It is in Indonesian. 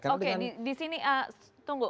oke di sini tunggu